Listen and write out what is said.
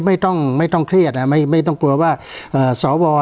ไม่ต้องไม่ต้องเครียดนะฮะไม่ไม่ต้องกลัวว่าเอ่อส่อวอล